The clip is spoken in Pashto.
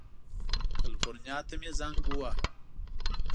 کلیفورنیا ته مې زنګ ووهه.